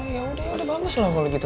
ya udah ya udah bagus lah kalau gitu